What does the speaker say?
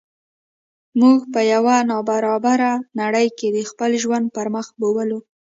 موږ په یوه نا برابره نړۍ کې د خپل ژوند پرمخ بوولو.